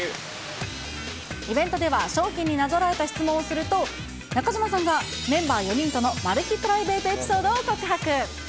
イベントでは、商品になぞらえた質問をすると、中島さんがメンバー４人とのマル秘プライベートエピソードを告白。